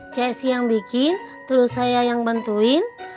cik edo yang bikin terus saya yang bantuin